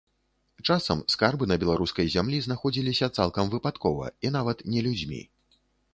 Часам скарбы на беларускай зямлі знаходзіліся цалкам выпадкова, і нават не людзьмі.